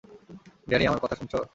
Danny, আমার কথা শুনছো?